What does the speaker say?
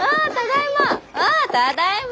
あただいま！